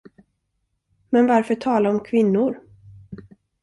Men varför tala om kvinnor?